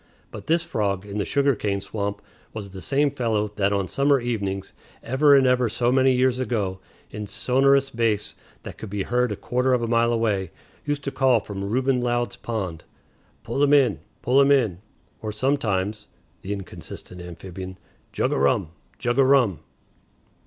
But this frog in the sugar cane swamp was the same fellow that on summer evenings, ever and ever so many years ago, in sonorous bass that could be heard a quarter of a mile away, used to call from Reuben Loud's pond, "Pull him in! Pull him in!" or sometimes (the inconsistent amphibian), "Jug o' rum! Jug o' rum!"